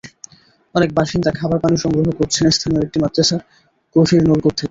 অনেক বাসিন্দা খাবার পানি সংগ্রহ করছেন স্থানীয় একটি মাদ্রাসার গভীর নলকূপ থেকে।